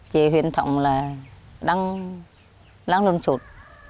chỉ huyết thống là đang luôn sụt